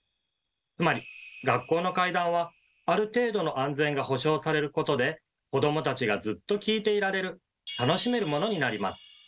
つまり学校の怪談はある程度の安全が保証されることで子どもたちがずっと聞いていられる「楽しめるもの」になります。